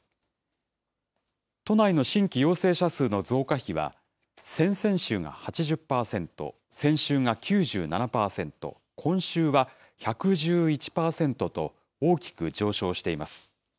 都内の新規陽性者数の増加比は、先々週が８０％、先週が９７％、今週は１１１％と、大きく上昇しています。